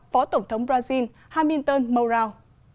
phó tổng thống brazil hamilton mourão